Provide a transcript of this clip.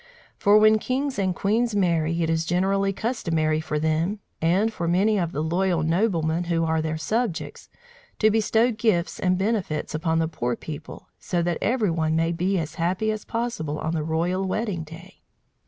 For when kings and queens marry, it is generally customary for them, and for many of the loyal noblemen who are their subjects, to bestow gifts and benefits upon the poor people, so that every one may be as happy as possible on the royal wedding day.